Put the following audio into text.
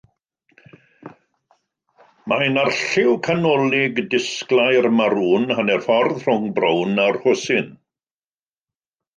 Mae'n arlliw canolig disglair marŵn hanner ffordd rhwng brown a rhosyn.